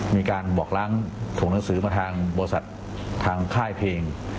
มีการบอกล้างส่งหนังสือมาทางบริษัททางค่ายเพลง